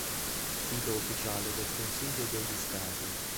Sito ufficiale del Consiglio degli Stati